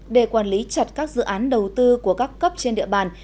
để quản lý chặt các dự án đầu tư của các cấp trên địa bàn